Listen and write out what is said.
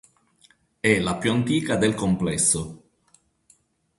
È la più antica del complesso.